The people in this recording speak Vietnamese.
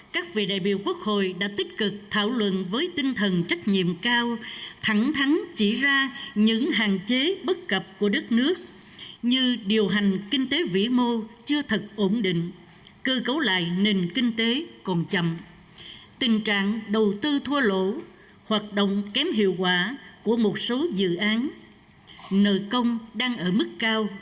các vị đại biểu quốc hội đã tích cực thảo luận với tinh thần trách nhiệm cao thẳng thắng chỉ ra những hạn chế bất cập của đất nước như điều hành kinh tế vĩ mô chưa thật ổn định cơ cấu lại nền kinh tế còn chậm tình trạng đầu tư thua lỗ hoạt động kém hiệu quả của một số dự án nợ công đang ở mức cao